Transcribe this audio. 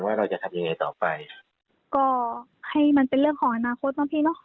เราจะทำยังไงต่อไปก็ให้มันเป็นเรื่องของอนาคตนะพี่เนอะ